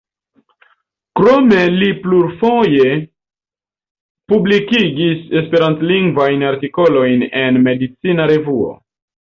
Krome li plurfoje publikigis esperantlingvajn artikolojn en Medicina Revuo.